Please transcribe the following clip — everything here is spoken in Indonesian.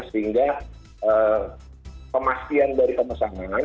sehingga pemastian dari pemesanan